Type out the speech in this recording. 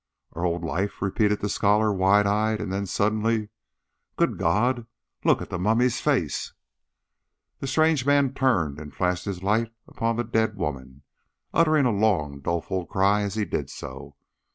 "Our old life!" repeated the scholar, wide eyed; and then suddenly, "Good God, look at the mummy's face!" The strange man turned and flashed his light upon the dead woman, uttering a long doleful cry as he did so.